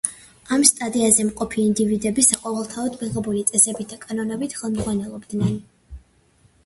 ამ სტადიაზე მყოფი ინდივიდები საყოველთაოდ მიღებული წესებით და კანონებით ხელმძღვანელობენ.